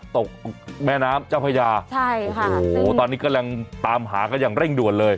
ตกแม่น้ำเจ้าพญาใช่โอ้โหตอนนี้กำลังตามหากันอย่างเร่งด่วนเลย